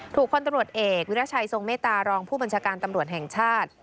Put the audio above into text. คนตำรวจเอกวิราชัยทรงเมตตารองผู้บัญชาการตำรวจแห่งชาติ